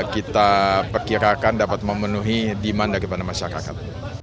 kita perkirakan dapat memenuhi demand daripada masyarakat